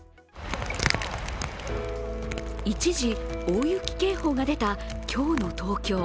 一時、大雪警報が出た今日の東京。